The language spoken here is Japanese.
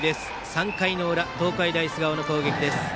３回の裏、東海大菅生の攻撃です。